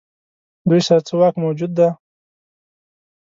دوی سره څه واک موجود دی.